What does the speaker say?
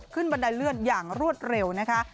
บันไดเลื่อนอย่างรวดเร็วนะคะ